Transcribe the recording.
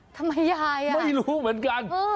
ทำไมยายไม่รู้เหมือนกัน